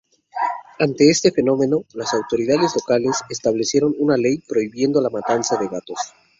Ante este fenómeno, las autoridades locales establecieron una ley prohibiendo la matanza de gatos.